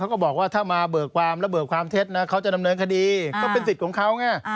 เขาจะนำเนินคดีก็เป็นสิทธิ์ของเขาไง